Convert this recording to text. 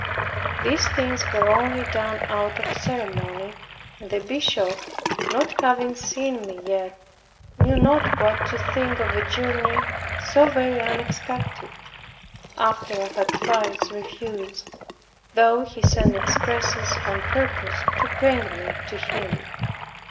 These things were only done out of ceremony; and the bishop, not having seen me yet, knew not what to think of a journey so very unexpected, after I had thrice refused, though he sent expresses on purpose to bring me to him.